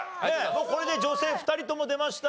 もうこれで女性２人とも出ました。